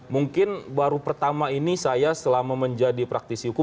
mungkin baru pertama ini saya selama menjadi praktisi hukum